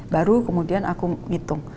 baru kemudian aku ngitung